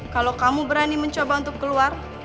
kalau kamu berani mencoba untuk keluar